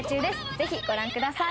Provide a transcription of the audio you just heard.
ぜひご覧ください。